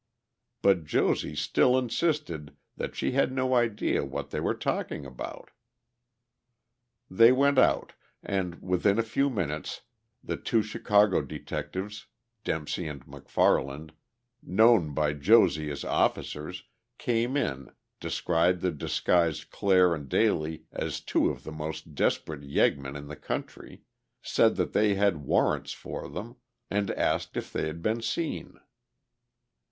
But Josie still insisted that she had no idea what they were talking about. They went out, and within a few minutes the two Chicago detectives, Dempsey and McFarland, known by Josie as officers, came in, described the disguised Clare and Daly as two of the most desperate "yeggmen" in the country, said that they had warrants for them, and asked if they had been seen.